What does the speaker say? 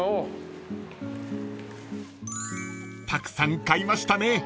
［たくさん買いましたね］